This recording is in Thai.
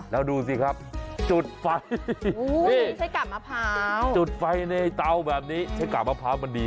แล้วดูสิครับจุดไฟ